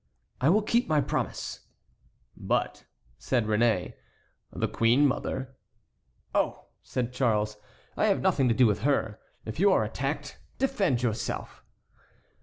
"I will keep my promise." "But," said Réné, "the queen mother?" "Oh!" said Charles, "I have nothing to do with her; if you are attacked defend yourself."